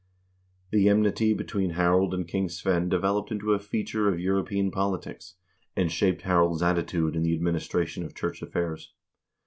The enmity between Harald and King Svein developed into a feature of European politics, and shaped Harald's attitude in the administration of church affairs.